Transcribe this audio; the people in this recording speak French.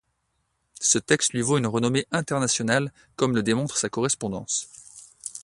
Ce texte lui vaut une renommée internationale comme le démontre sa correspondance.